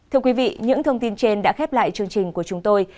thưa quý vị những thông tin trên đã khép lại chương trình của chúng tôi